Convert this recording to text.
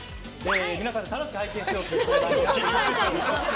皆さんで楽しく拝見しようという。